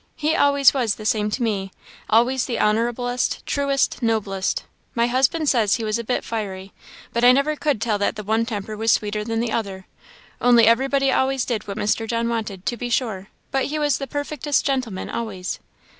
He always was the same to me always the honourablest, truest, noblest my husband says he was a bit fiery, but I never could tell that the one temper was sweeter than the other; only everybody always did whatever Mr. John wanted, to be sure; but he was the perfectest gentleman always."